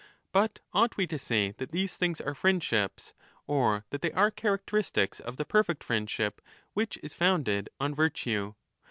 But ought we to say that these things are friend ships or that they are characteristics of the perfect friend ship which is founded on virtue?